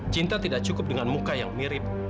cinta tidak cukup dengan muka yang mirip